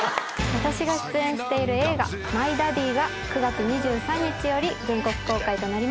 私が出演している映画『マイ・ダディ』が９月２３日より全国公開となります。